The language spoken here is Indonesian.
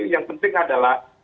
yang penting adalah